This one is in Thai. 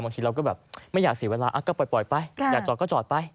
บางทีเราก็แบบไม่อยากเสียเวลาก็ปล่อยไปอยากจอดก็จอดไป